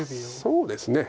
そうですね。